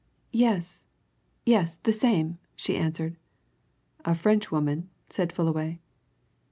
"Yes yes, the same!" she answered. "A Frenchwoman?" said Fullaway.